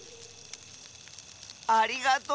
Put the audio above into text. ありがとう！